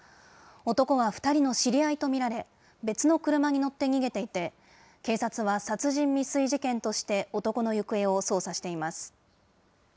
男は２人の知り合いと見られ、別の車に乗って逃げていて、警察は殺人未遂事件として男の行方を捜査しています。